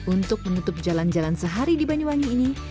untuk menutup jalan jalan sehari di banyuwangi ini